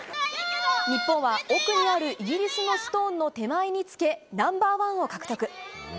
日本は奥にあるイギリスのストーンの手前につけナンバーワンを獲得。